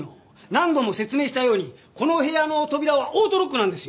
何度も説明したようにこの部屋の扉はオートロックなんですよ。